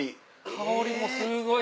香りもすごい。